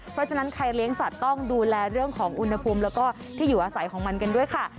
เพราะฉะนั้นใครเลี้ยงสัตว์ต้องดูแลเรื่องของอุณหภูมิแล้วก็ที่อยู่อาศัยของมันกันด้วยค่ะ